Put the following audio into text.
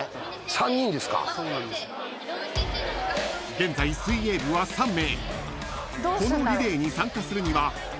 ［現在水泳部は３名］